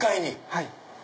はい。